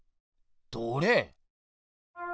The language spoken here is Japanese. どれ？